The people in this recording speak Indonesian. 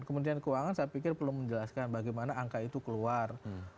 kementerian keuangan saya pikir perlu menjelaskan bagaimana angka itu keluar